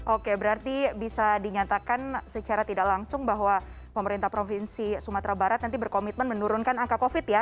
oke berarti bisa dinyatakan secara tidak langsung bahwa pemerintah provinsi sumatera barat nanti berkomitmen menurunkan angka covid ya